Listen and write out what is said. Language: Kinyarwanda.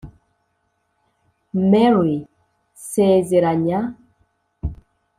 mary: nsezeranya